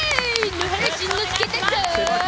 野原しんのすけだぞ！